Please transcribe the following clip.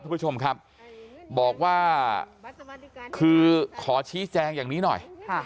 คุณผู้ชมครับบอกว่าคือขอชี้แจงอย่างนี้หน่อย